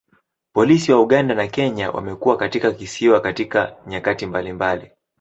Polisi wa Uganda na Kenya wamekuwa katika kisiwa katika nyakati mbalimbali.